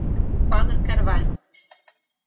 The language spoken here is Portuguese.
Padre Carvalho